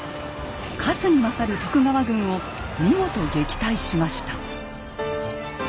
数に勝る徳川軍を見事撃退しました。